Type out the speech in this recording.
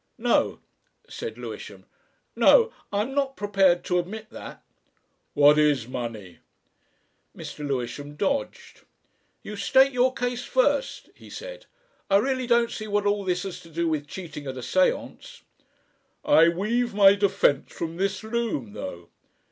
"No," said Lewisham; "no! I'm not prepared to admit that." "What is money?" Mr. Lewisham dodged. "You state your case first," he said. "I really don't see what all this has to do with cheating at a séance." "I weave my defence from this loom, though.